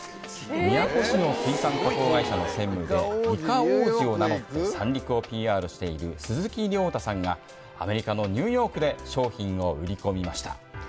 宮古市の水産加工会社の専務でイカ王子を名乗って三陸をＰＲしている鈴木良太さんがアメリカのニューヨークで商品を売り込みました。